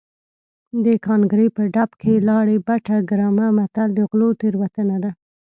د ګانګړې په ډب کې لاړې بټه ګرامه متل د غلو تېروتنه ده